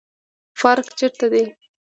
پارک چیرته دی؟